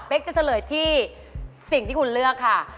เป็นจะเฉลยที่สิ่งที่คุณเลือกค่ะ